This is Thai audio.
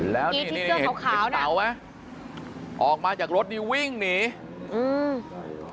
แล้วนี่นี่เขาเห็นเสาไหมออกมาจากรถนี่วิ่งหนีอืม